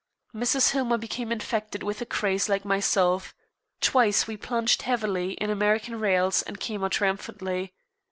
Mrs. Hillmer became infected with the craze like myself. Twice we plunged heavily in American Rails and came out triumphantly.